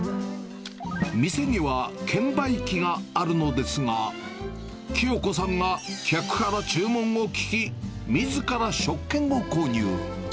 店には券売機があるのですが、きよ子さんが客から注文を聞き、みずから食券を購入。